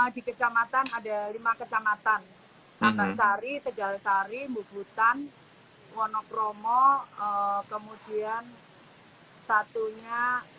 di kecamatan ada lima kecamatan matasari tegalsari bubutan wonokromo kemudian satunya